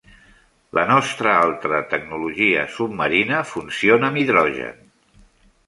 La nostra altra tecnologia submarina funciona amb hidrogen.